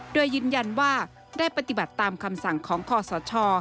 โดยยืนยันว่าได้ปฏิบัติตามคำสั่งของคอสช